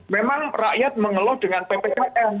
memang rakyat mengeluh dengan ppkm